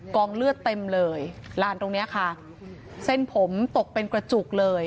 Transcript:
เลือดเต็มเลยลานตรงเนี้ยค่ะเส้นผมตกเป็นกระจุกเลย